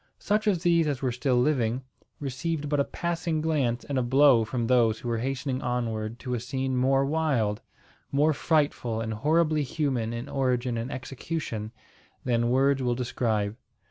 Such of these as were still living, received but a passing glance and a blow from those who were hastening onward to a scene more wild more frightful and horribly human in origin and execution than words will describe.